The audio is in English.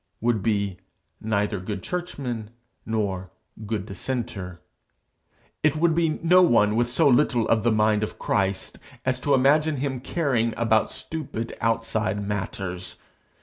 would be neither 'good churchman' nor 'good dissenter.' It would be no one with so little of the mind of Christ as to imagine him caring about stupid outside matters.